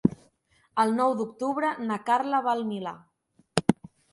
El nou d'octubre na Carla va al Milà.